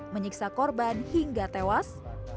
menyiksa korban hingga tewas